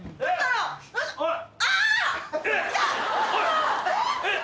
あっ！